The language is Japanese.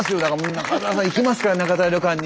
中沢さん行きますからなかざわ旅館に。